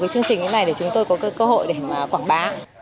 chương trình này để chúng tôi có cơ hội để quảng bá